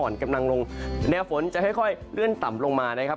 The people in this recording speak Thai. อ่อนกำลังลงแนวฝนจะค่อยเลื่อนต่ำลงมานะครับ